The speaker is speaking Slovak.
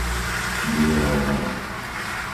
Biela Orava